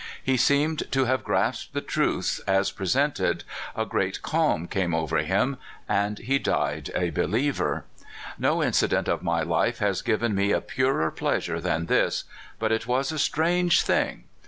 He seemed to have grasped the truths as presented, a great calm came over him, and he died a believer. No incident of my life has given me a purer pleasure than this ; but it was a strange thing!